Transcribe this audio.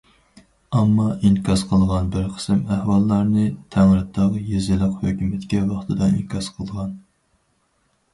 ئامما ئىنكاس قىلغان بىر قىسىم ئەھۋاللارنى تەڭرىتاغ يېزىلىق ھۆكۈمەتكە ۋاقتىدا ئىنكاس قىلغان.